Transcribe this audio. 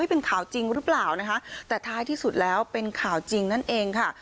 เป็นข่าวจริงหรือเปล่านะคะแต่ท้ายที่สุดแล้วเป็นข่าวจริงนั่นเองค่ะ